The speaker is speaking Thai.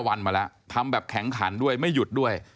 วันมาแล้วทำแบบแข็งขันด้วยไม่หยุดด้วย